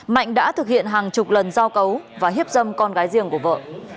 mạnh đã thực hiện hàng chục lần giao cấu và hiếp dâm con gái riêng của vợ